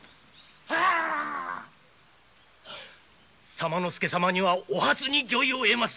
左馬助様にはお初に御意を得ます。